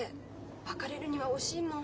別れるには惜しいもん。